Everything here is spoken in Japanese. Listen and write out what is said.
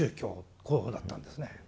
こうだったんですね。